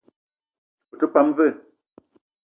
Ou te pam vé?